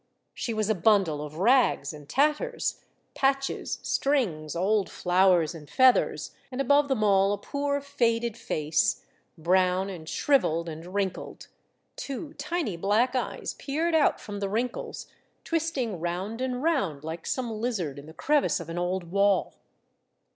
She was a bundle of rags and tatters, patches, strings, old flowers and feathers, and above them all a poor faded face, brown and shrivelled and wrinkled ; two tiny black eyes peered out from the wrinkles, twisting round and round like some lizard in the crevice of an old wall.